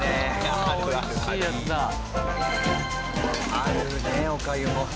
あるねおかゆも。